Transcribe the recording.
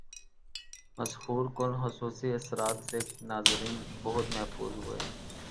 مسحور کن خصوصی اثرات سے ناظرین بہت محظوظ ہوئے